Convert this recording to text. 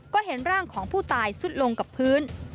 ก็เห็นร่างของผู้ตายซุดลงกับพื้น